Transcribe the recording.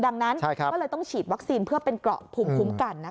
ดังนั้นก็เลยต้องฉีดวัคซีนเพื่อเป็นเกราะภูมิคุ้มกันนะคะ